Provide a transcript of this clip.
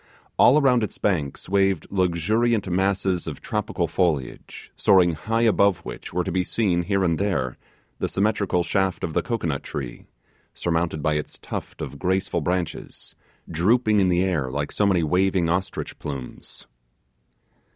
All around its banks waved luxuriant masses of tropical foliage, soaring high above which were seen, here and there, the symmetrical shaft of the cocoanut tree, surmounted by its tufts of graceful branches, drooping in the air like so many waving ostrich plumes.